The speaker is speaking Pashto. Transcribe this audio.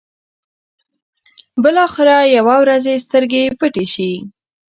بلاخره يوه ورځ يې سترګې پټې شي.